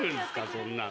そんなん。